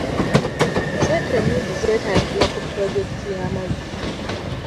Ssente nnyingi zeetaagibwa ku pulojekiti y'amazzi.